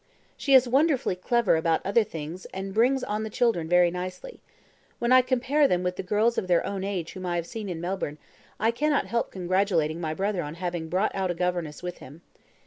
"She is wonderfully clever about other things, and brings on the children very nicely. When I compare them with the girls of their own age whom I have seen in Melbourne, I cannot help congratulating my brother on having brought out a governess with him.